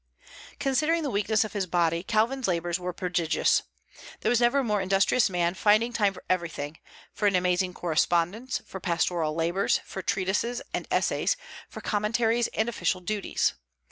Considering the weakness of his body Calvin's labors were prodigious. There was never a more industrious man, finding time for everything, for an amazing correspondence, for pastoral labors, for treatises and essays, for commentaries and official duties.